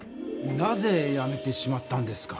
なぜやめてしまったんですか？